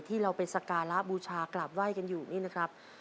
ที่เราไปสการะบูชากราบไหว้กันอยู่นี่นะครับ